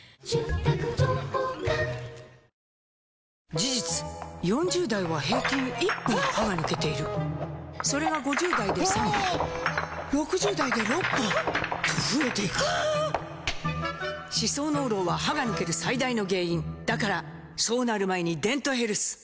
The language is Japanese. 事実４０代は平均１本歯が抜けているそれが５０代で３本６０代で６本と増えていく歯槽膿漏は歯が抜ける最大の原因だからそうなる前に「デントヘルス」ライオン史上最大濃度の薬用成分配合